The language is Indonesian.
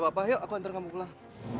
papa aku hantar kamu pulang